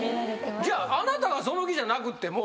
じゃああなたはその気じゃなくっても。